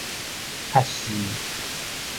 較是